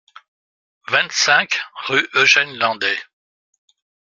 vingt-cinq rue Eugène Landais